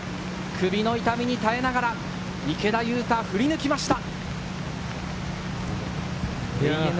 首の痛みに耐えながら池田勇太、振り抜きました。